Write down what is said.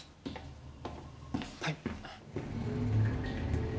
はい。